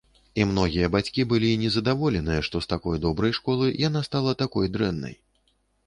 І многія бацькі былі незадаволеныя, што з такой добрай школы яна стала такой дрэннай.